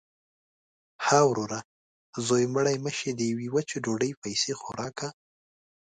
– ها وروره! زوی مړی مه شې. د یوې وچې ډوډۍ پیسې خو راکه.